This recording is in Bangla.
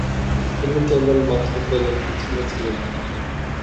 তিনি কেবলমাত্র পেলের পিছনে ছিলেন।